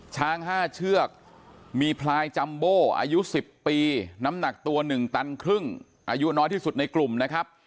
ช้าง๕เชือกมีพลายจัมโบอายุ๑๐ปีน้ำหนักตัว๑ตันครึ่งอายุน้อยที่สุดในกลุ่มนะครับ